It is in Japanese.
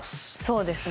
そうですね。